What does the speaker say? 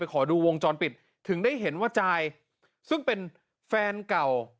ขอดูวงจรปิดถึงได้เห็นว่าจายซึ่งเป็นแฟนเก่า